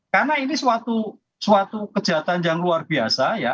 karena ini suatu kejahatan yang luar biasa ya